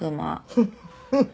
フフフッ。